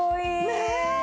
ねえ。